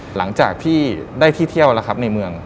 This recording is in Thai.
หลังจากที่ได้ที่เที่ยวแล้วครับในเมือง